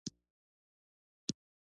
د جبل السراج فابریکه څه ارزښت لري؟